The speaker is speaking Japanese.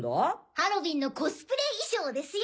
ハロウィンのコスプレ衣装ですよ。